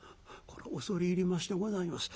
「これは恐れ入りましてございます。